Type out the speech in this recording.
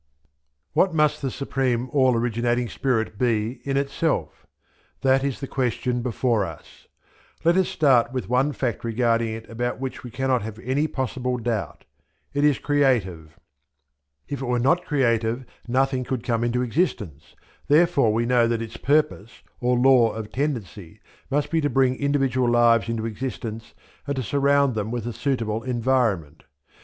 What must the Supreme All originating Spirit be in itself? That is the question before us. Let us start with one fact regarding it about which we cannot have any possible doubt it is creative. If it were not creative nothing could come into existence; therefore we know that its purpose, or Law of Tendency, must be to bring individual lives into existence and to surround them with a suitable environment.